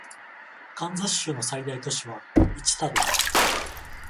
カンザス州の最大都市はウィチタである